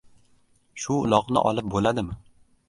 Shu uloqni olib bo‘ladimi?